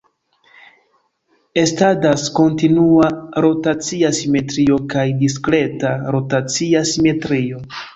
Estadas kontinua rotacia simetrio kaj diskreta rotacia simetrio.